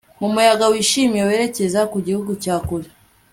Mu muyaga wishimye werekeza ku gihu cya kure